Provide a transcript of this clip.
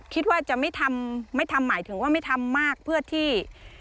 คิดว่าจะไม่ทำไม่ทำหมายถึงว่าไม่ทำมากเพื่อที่